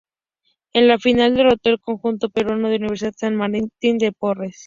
En la final derrotó al conjunto peruano de Universidad San Martín de Porres.